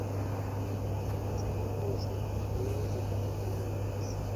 Sehemu za mashariki za Armenia zilikuwa upande wa Urusi.